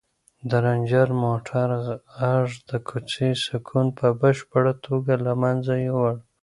د رنجر موټر غږ د کوڅې سکون په بشپړه توګه له منځه یووړ.